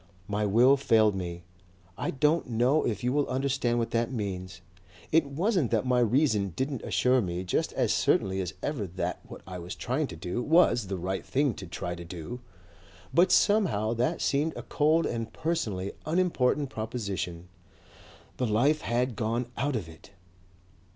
My will failed me. I don't know if you will understand what that means. It wasn't that my reason didn't assure me just as certainly as ever that what I was trying to do was the right thing to try to do. But somehow that seemed a cold and personally unimportant proposition. The life had gone out of it...."